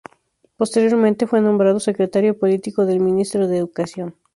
Posteriormente fue nombrado secretario político del Ministro de Educación.